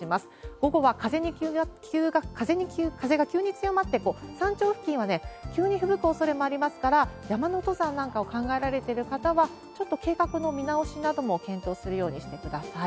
午後は風が急に強まって、山頂付近は急にふぶくおそれもありますから、山の登山なんかを考えられてる方は、ちょっと計画の見直しなども検討するようにしてください。